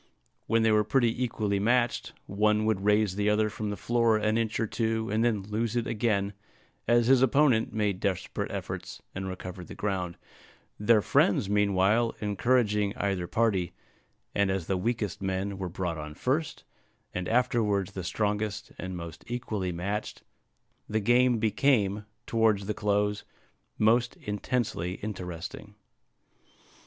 When they were pretty equally matched, one would raise the other from the floor an inch or two, and then lose it again, as his opponent made desperate efforts, and recovered the ground, their friends meanwhile encouraging either party; and as the weakest men were brought on first, and afterwards the strongest and most equally matched, the game became, towards the close, most intensely interesting.